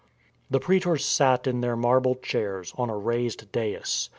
The praetors sat in their marble chairs, on a raised dais.